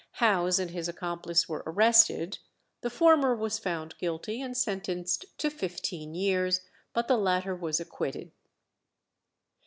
Howse and his accomplice were arrested; the former was found guilty and sentenced to fifteen years, but the latter was acquitted.